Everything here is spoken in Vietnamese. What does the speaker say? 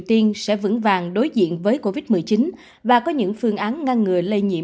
tiên sẽ vững vàng đối diện với covid một mươi chín và có những phương án ngăn ngừa lây nhiễm